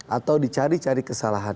atau dicari cari kesalahan